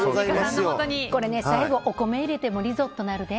最後、お米を入れてもリゾットになるで。